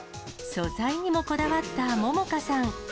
素材にもこだわった杏果さん。